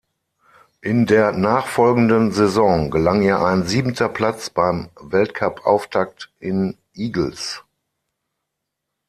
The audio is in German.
In der nachfolgenden Saison gelang ihr ein siebenter Platz beim Weltcupauftakt in Igls.